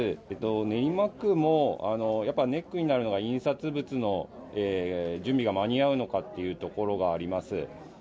練馬区もやっぱネックになるのが印刷物の準備が間に合うのかっていうところがあります。